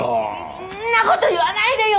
そんな事言わないでよ！